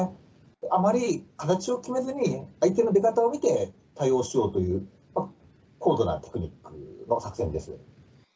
あまり形を決めずに、相手の出方を見て対応しようという、高度なテクニックの作戦です。